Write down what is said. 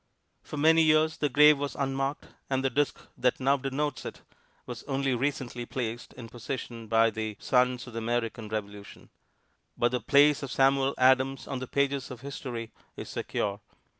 For many years the grave was unmarked, and the disk that now denotes it was only recently placed in position by the Sons of the American Revolution. But the place of Samuel Adams on the pages of history is secure.